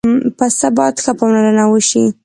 پسه باید ښه پاملرنه وشي.